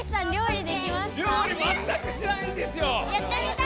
料理まったくしないんですよ。